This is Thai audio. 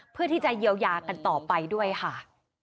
เพื่อที่จะเยียวยากันต่อไปด้วยค่ะ